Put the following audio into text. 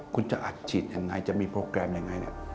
คุณจะอัดฉีดยังไงจะมีโปรแกรมยังไง